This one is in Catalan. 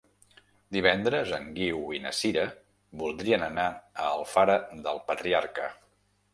Divendres en Guiu i na Sira voldrien anar a Alfara del Patriarca.